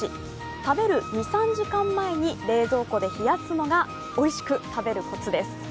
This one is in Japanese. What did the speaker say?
食べる２３時間前に冷蔵庫で冷やすのがおいしく食べるコツです。